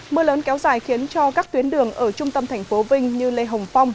mưa lớn kéo dài khiến cho các tuyến đường ở trung tâm thành phố vinh như lê hồng phong